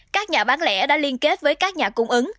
các nhà bán lẻ đã liên kết với các nhà cung ứng